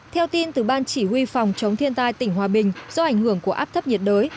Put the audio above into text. theo tin từ ban chỉ huy phòng chống thiên tai tỉnh hòa bình do ảnh hưởng của áp thấp nhiệt đới